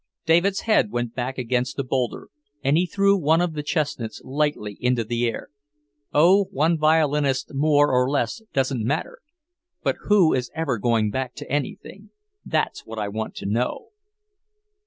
David's head went back against the boulder, and he threw one of the, chestnuts lightly into the air. "Oh, one violinist more or less doesn't matter! But who is ever going back to anything? That's what I want to know!"